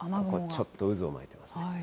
ちょっと渦を巻いてますね。